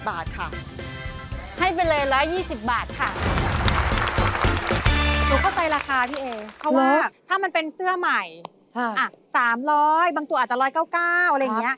บางตัวอาจจะ๑๙๙บาทอะไรอย่างนี้